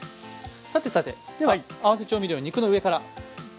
さてさてでは合わせ調味料肉の上から。